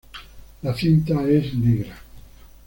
La cinta es negra.